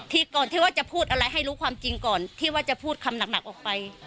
ก่อนที่ว่าจะพูดอะไรให้รู้ความจริงก่อนที่ว่าจะพูดคำหนักออกไป